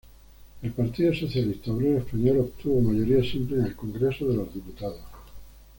El Partido Socialista Obrero Español obtuvo mayoría simple en el Congreso de los Diputados.